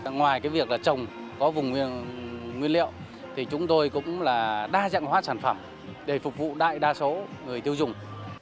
ngoài cái việc là trồng có vùng nguyên liệu thì chúng tôi cũng là đa dạng hóa sản phẩm để phục vụ đại đa số người tiêu dùng